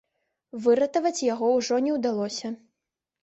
Выратаваць яго ўжо не ўдалося.